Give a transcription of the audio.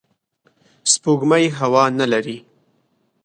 سپوږمۍ هوا نه لري